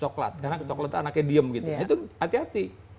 karena coklat anaknya diem gitu itu hati hati